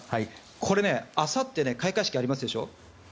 これ、あさって開会式ありますでしょ。